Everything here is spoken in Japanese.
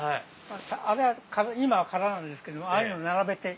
あれ今は空なんですけどああいうの並べて。